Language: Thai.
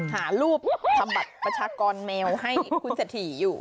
หารูปทำบัตรประชากรแมวให้คุณเศรษฐีอยู่